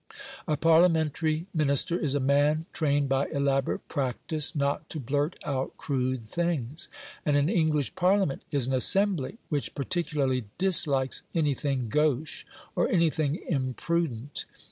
A Parliamentary Minister is a man trained by elaborate practice not to blurt out crude things, and an English Parliament is an assembly which particularly dislikes anything gauche or anything imprudent.